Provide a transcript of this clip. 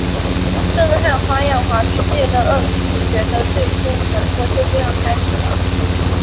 震撼花样滑冰界的恶女主角的最凶传说就这样开始了！